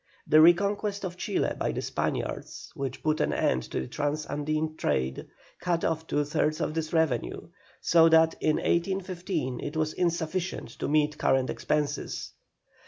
The reconquest of Chile by the Spaniards, which put an end to the trans Andine trade, cut off two thirds of this revenue, so that in 1815 it was insufficient to meet current expenses.